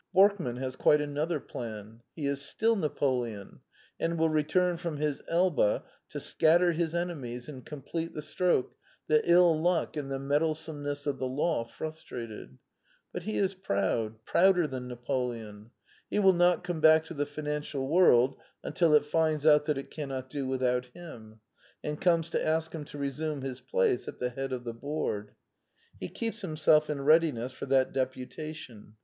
Borkman has quite another plan. He is still Napoleon, and will return from his Elba to scat ter his enemies and complete the stroke that ill luck and the meddlesomeness of the law frus trated. But he is proud : prouder than Napoleon. He will not come back to the financial world until it finds out that it cannot do without him, and comes to ask him to resume his place at the head of the board. He keeps himself in readiness for that deputation.